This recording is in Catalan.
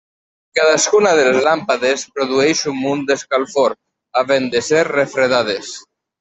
Cadascuna de les làmpades produeix un munt d'escalfor, havent de ser refredades.